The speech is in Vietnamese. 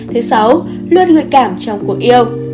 thứ sáu luôn ngược cảm trong cuộc yêu